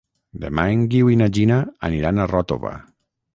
Demà en Guiu i na Gina aniran a Ròtova.